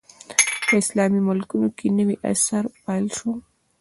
په اسلامي ملکونو کې نوی عصر پیل شو.